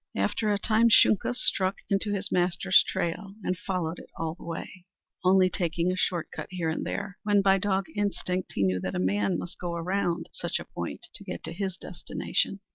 After a time Shunka struck into his master's trail and followed it all the way, only taking a short cut here and there when, by dog instinct, he knew that a man must go around such a point to get to his destination.